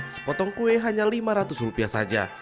sepotong kue hanya lima ratus rupiah saja